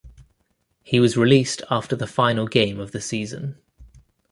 He was released after the final game of the season.